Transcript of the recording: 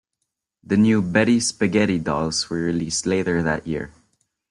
The new Betty Spaghetty dolls were released later that year.